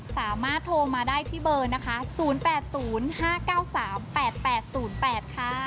สามารถโทรมาได้ที่เบอร์นะคะ๐๘๐๕๙๓๘๘๐๘ค่ะ